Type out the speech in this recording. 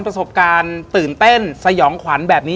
ประสบการณ์ตื่นเต้นสยองขวัญแบบนี้